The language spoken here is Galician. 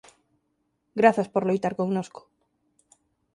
Grazas por loitar connosco.